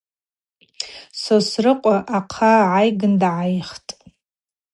Сосрыкъва ахъа гӏайгын дгӏайхтӏ.